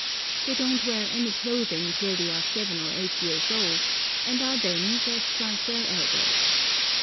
They don't wear any clothing till they are seven or eight years old, and are then dressed like their elders.